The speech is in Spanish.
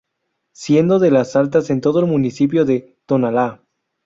Siendo de las altas en todo el municipio de Tonalá.